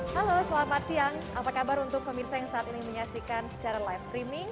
halo selamat siang apa kabar untuk pemirsa yang saat ini menyaksikan secara live streaming